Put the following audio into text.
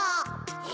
え！